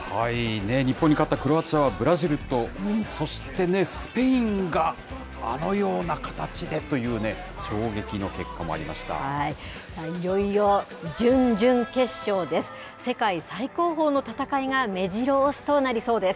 日本に勝ったクロアチアはブラジルと、そしてね、スペインが、あのような形でというね、さあ、いよいよ準々決勝です。